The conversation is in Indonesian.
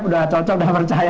udah cocok udah percaya